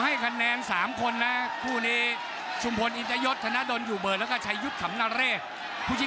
ดูใกล้จบใกล้หมดยกนิดเดียวนิดเดียวจะออกใครนะครับคุณผู้ชม